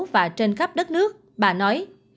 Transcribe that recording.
và trên khắp đất nước bà nói